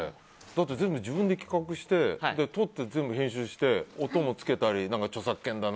だって全部自分で企画して撮って編集して音もつけたり著作権だ